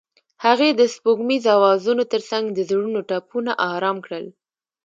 هغې د سپوږمیز اوازونو ترڅنګ د زړونو ټپونه آرام کړل.